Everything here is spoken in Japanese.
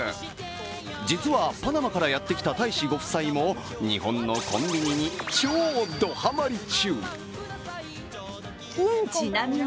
実はパナマからやってきた大使ご夫妻も日本のコンビニに超ドハマり中。